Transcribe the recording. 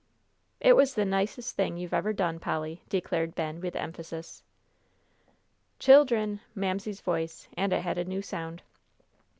"It was the nicest thing you've ever done, Polly," declared Ben, with emphasis. "Chil dren!" Mamsie's voice, and it had a new sound.